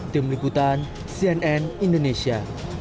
tim liputan cnn indonesia